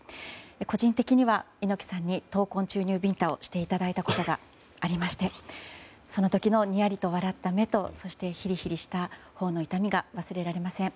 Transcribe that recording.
個人的には猪木さんに闘魂注入ビンタをしていただいたことがありましてその時のにやりと笑った目とそして、ヒリヒリした頬の痛みが忘れられません。